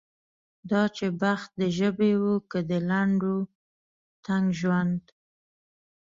دا چې بخت د ژبې و که د لنډ و تنګ ژوند.